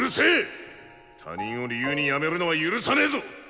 他人を理由に辞めるのは許さねえぞ！